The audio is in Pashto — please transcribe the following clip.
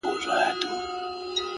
کيسې د پروني ماښام د جنگ در اچوم ـ